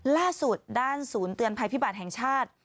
ล่าสุดด้านศูนย์เตือนภัยพิบัติแห่งชาติ